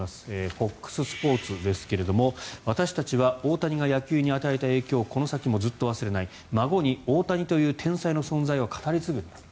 ＦＯＸスポーツですが私たちは大谷が野球に与えた影響をこの先もずっと忘れない孫に大谷という天才の存在を語り継ぐんだと。